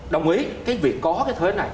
đồng ý việc có thuế này